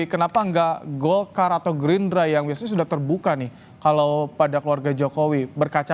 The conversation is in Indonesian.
kenapa enggak golkar atau gerindra yang biasanya sudah terbuka nih kalau pada keluarga jokowi berkaca